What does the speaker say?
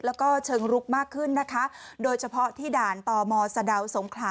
แล้วก็เชิงลึกมากขึ้นนะคะโดยเฉพาะที่ด่านต่อมสส